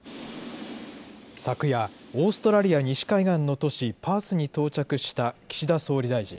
昨夜、オーストラリア西海岸の都市パースに到着した岸田総理大臣。